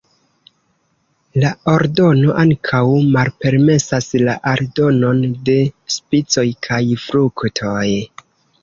La ordono ankaŭ malpermesas la aldonon de spicoj kaj fruktoj.